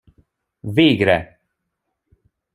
Végre!